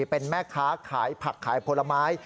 เป็นแม่ค้าขายผักขายผลไม้